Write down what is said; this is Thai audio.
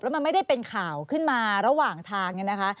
แล้วมันไม่ได้เป็นข่าวขึ้นมาระหว่างทาง